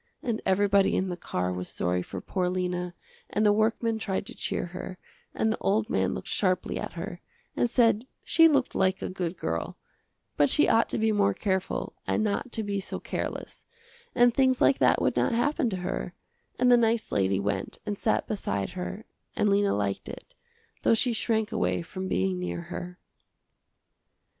And everybody in the car was sorry for poor Lena and the workman tried to cheer her, and the old man looked sharply at her, and said she looked like a good girl, but she ought to be more careful and not to be so careless, and things like that would not happen to her, and the nice lady went and sat beside her and Lena liked it, though she shrank away from being near her.